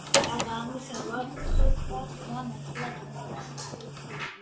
გარდა ამისა, რვა კუთხე ქვას რვა ნაწილად ჰყოფს.